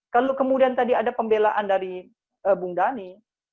kalau kemudian tadi ada pembelaan dari bung dhani